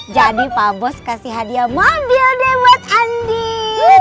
jadi pak bos kasih hadiah mobil deh buat andin